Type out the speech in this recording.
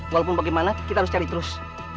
walaupun bagaimana kita harus cari terus